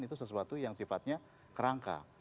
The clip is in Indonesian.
itu sesuatu yang sifatnya kerangka